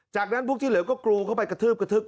จากนั้นพวกที่เหลือก็กรูเข้าไปกระทืบกระทืบ